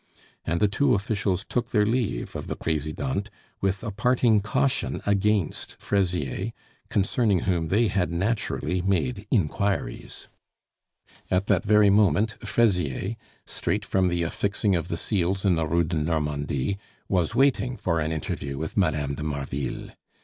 And the two officials took their leave of the Presidente with a parting caution against Fraisier, concerning whom they had naturally made inquiries. At that very moment Fraisier, straight from the affixing of the seals in the Rue de Normandie, was waiting for an interview with Mme. de Marville.